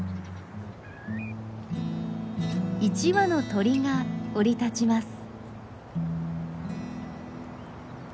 １羽の鳥が降り立ちます。